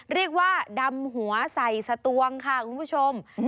เรียกว่าดำหัวใส่สตวงค่ะคุณผู้ชม